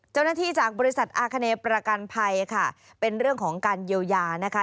เจ้าหน้าที่จากบริษัทอาคเนประกันภัยค่ะเป็นเรื่องของการเยียวยานะคะ